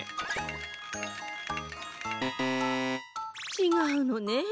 ちがうのね。